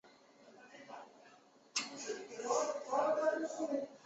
初田牛车站的铁路车站。